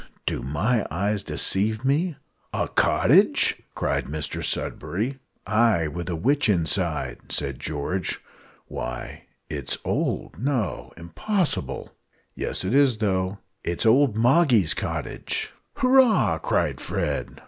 do my eyes deceive me a cottage?" cried Mr Sudberry. "Ay, and a witch inside," said George. "Why, it's old no, impossible!" "Yes, it is, though it's old Moggy's cottage." "Hurrah!" cried Fred.